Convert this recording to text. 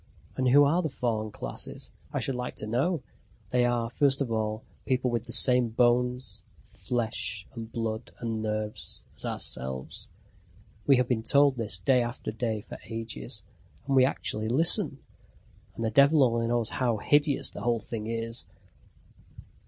And who are the fallen classes, I should like to know? They are, first of all, people with the same bones, flesh, and blood and nerves as ourselves. We have been told this day after day for ages. And we actually listen and the devil only knows how hideous the whole thing is.